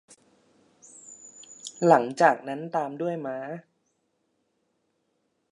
หลังจากนั้นตามด้วยม้า